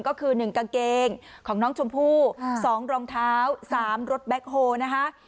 ก็คือหนึ่งกางเกงของน้องชมพูสองรองเท้าสามรถแบ็คโฮนะคะ